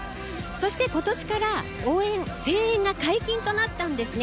そしてことしから応援、声援が解禁となったんですね。